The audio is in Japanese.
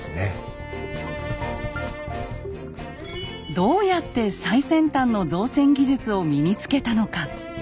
どうやって最先端の造船技術を身につけたのか。